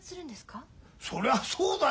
そりゃそうだよ。